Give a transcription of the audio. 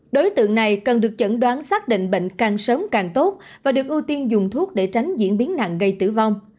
đối tượng này cần được chẩn đoán xác định bệnh càng sớm càng tốt và được ưu tiên dùng thuốc để tránh diễn biến nặng gây tử vong